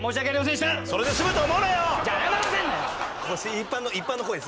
一般の一般の声です